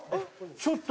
ちょっと！